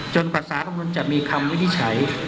จนกว่าสารักนูลจะมีคำวินิจฉัย